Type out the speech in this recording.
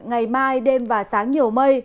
ngày mai đêm và sáng nhiều mây